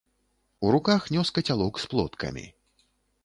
У руках нёс кацялок з плоткамі.